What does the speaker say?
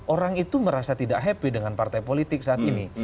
orang itu merasa tidak happy dengan partai politik saat ini